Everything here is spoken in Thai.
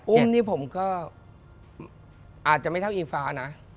อุ้มนี่ผมก็อาจจะไม่เท่าอีฟ้านะ